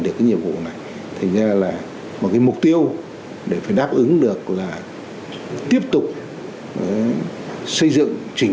được cái nhiệm vụ này thành ra là một cái mục tiêu để phải đáp ứng được là tiếp tục xây dựng trình